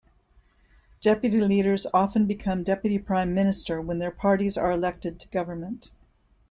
Deputy leaders often become deputy prime minister when their parties are elected to government.